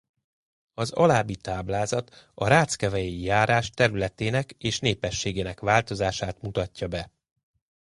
Az alábbi táblázat a Ráckevei járás területének és népességének változását mutatja be.